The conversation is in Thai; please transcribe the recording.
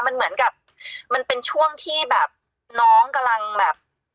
มันเหมือนกับมันเป็นช่วงที่แบบน้องกำลังแบบ